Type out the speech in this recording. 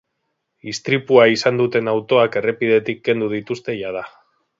Istripua izan duten autoak errepidetik kendu dituzte jada.